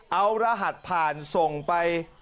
เอารหัสผ่านส่งไป